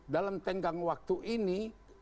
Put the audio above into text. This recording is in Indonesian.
dalam tenggang waktu ini